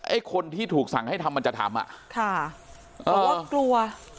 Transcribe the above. ไอ้คนที่ถูกสั่งให้ทำมันจะทำอ่ะค่ะเพราะว่ากลัว